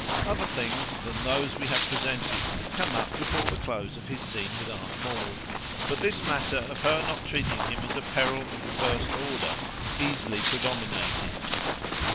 Other things than those we have presented had come up before the close of his scene with Aunt Maud, but this matter of her not treating him as a peril of the first order easily predominated.